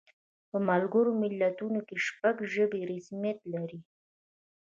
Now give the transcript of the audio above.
په ملګرو ملتونو کې شپږ ژبې رسمیت لري.